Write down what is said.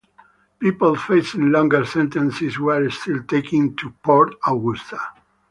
People facing longer sentences were still taken to Port Augusta.